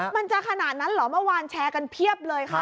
มันจะขนาดนั้นเหรอเมื่อวานแชร์กันเพียบเลยค่ะ